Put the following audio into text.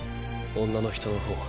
女の人の方は？